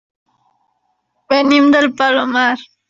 Venim del Palomar.